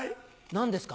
何ですか？